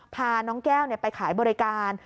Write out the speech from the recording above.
พาน้องแก้วไปขายบริการ